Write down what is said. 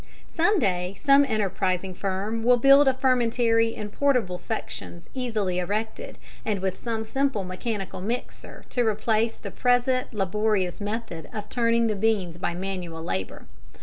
Some day some enterprising firm will build a fermentary in portable sections easily erected, and with some simple mechanical mixer to replace the present laborious method of turning the beans by manual labour.